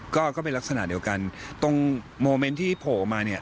ก็ก็เป็นลักษณะเดียวกันตรงโมเมนต์ที่โผล่ออกมาเนี่ย